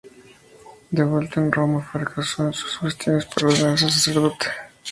De vuelta en Roma, fracasó en sus gestiones para ordenarse sacerdote.